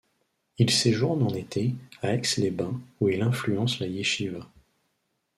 Il séjourne, en été, à Aix-les-Bains, où il influence la Yechiva.